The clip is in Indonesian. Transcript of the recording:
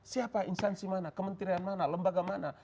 siapa instansi mana kementerian mana lembaga mana